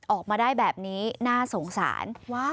ออกมาได้แบบนี้น่าสงสาร